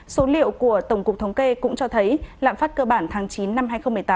số liệu của tổng cục thống kê cũng cho thấy lạm phát cơ bản tháng chín năm hai nghìn một mươi tám